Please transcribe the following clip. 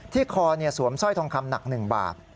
ที่คอสวมสร้อยทองคำหนักหนึ่งบาท